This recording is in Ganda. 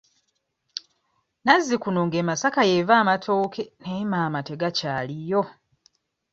Nazzikuno ng'e Masaka y'eva amatooke naye maama tegakyaliyo.